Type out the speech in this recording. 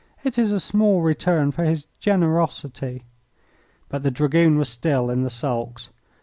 "It is a small return for his generosity." But the Dragoon was still in the sulks.